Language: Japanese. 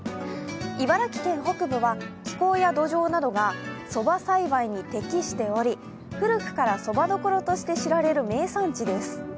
茨城県北部は気候や土壌などがそば栽培に適しており古くからそば処として知られる名産地です。